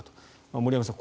森山さん